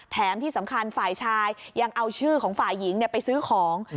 แถมที่สำคัญฝ่ายชายยังเอาชื่อของฝ่ายหญิงไปซื้อของ